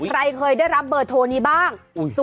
ใครเคยได้รับเบอร์โทรนี้บ้าง